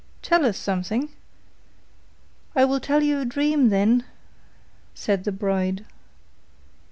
Tell us something.' 'I will tell you a dream, then,' said the bride.